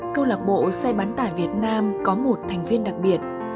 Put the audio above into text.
câu lạc bộ xe bán tải việt nam có một thành viên đặc biệt